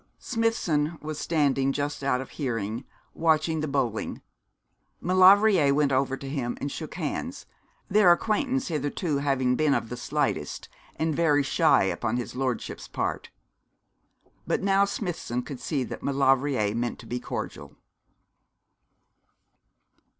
Smithson was standing just out of hearing, watching the bowling. Maulevrier went over to him and shook hands, their acquaintance hitherto having been of the slightest, and very shy upon his lordship's part; but now Smithson could see that Maulevrier meant to be cordial.